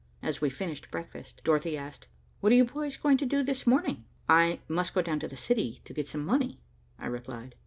As we finished breakfast, Dorothy asked, "What are you boys going to do this morning?" "I must go down to the city to get some money," I replied.